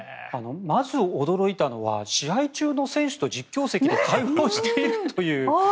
まず驚いたのは試合中の選手と実況席で会話をしているという。